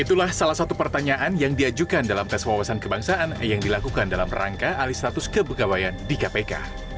itulah salah satu pertanyaan yang diajukan dalam tes wawasan kebangsaan yang dilakukan dalam rangka alih status kepegawaian di kpk